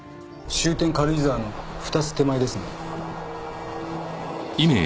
終点軽井沢の２つ手前ですね。